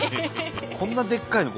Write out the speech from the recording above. こんなでっかいのか。